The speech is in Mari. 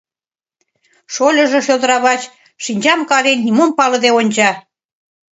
Шольыжо шӧлдравач, шинчам карен, нимом палыде онча.